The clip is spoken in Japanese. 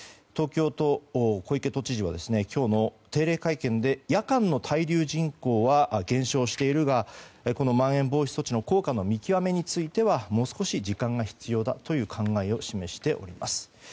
東京都、小池都知事は今日の定例会見で夜間の滞留人口は減少しているがまん延防止措置の効果の見極めについてはもう少し時間が必要だという考えを示しております。